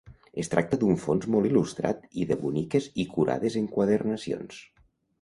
Es tracta d'un fons molt il·lustrat i de boniques i curades enquadernacions.